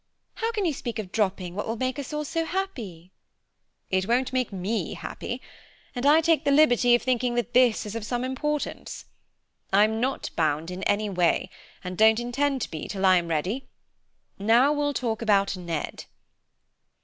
How can you speak of dropping what will make us all so happy?" "It won't make me happy, and I take the liberty of thinking that this is of some importance. I'm not bound in any way, and don't intend to be till I am ready. Now we'll talk about Ned."